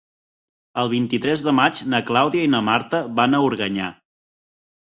El vint-i-tres de maig na Clàudia i na Marta van a Organyà.